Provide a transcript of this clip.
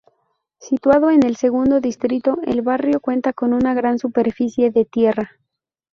Situado en el segundo distrito, el barrio cuenta con una gran superficie de tierra.